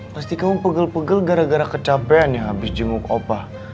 pasti kamu pegel pegel gara gara kecapean ya habis jenguk opa